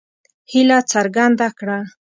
هیله څرګنده کړه.